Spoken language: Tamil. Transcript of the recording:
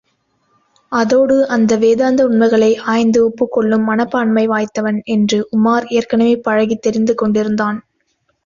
அதோடு அந்த வேதாந்த உண்மைகளை ஆய்ந்து ஒப்புக்கொள்ளும் மனப்பான்மை வாய்ந்தவன் என்று உமார் ஏற்கெனவே பழகித் தெரிந்து கொண்டிருந்தான்.